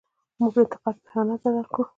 موږ انتقاد په اهانت بدل کړو.